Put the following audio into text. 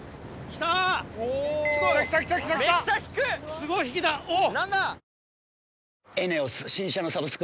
すごい引きだおっ！